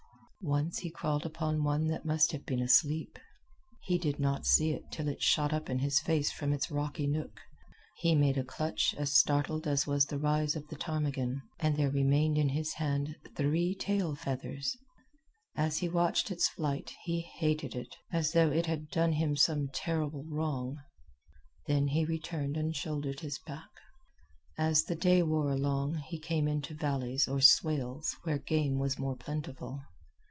Once he crawled upon one that must have been asleep. He did not see it till it shot up in his face from its rocky nook. He made a clutch as startled as was the rise of the ptarmigan, and there remained in his hand three tail feathers. As he watched its flight he hated it, as though it had done him some terrible wrong. Then he returned and shouldered his pack. As the day wore along he came into valleys or swales where game was more plentiful.